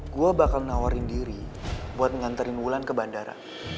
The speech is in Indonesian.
gue bakal nawarin diri buat nganterin wulan ke bandara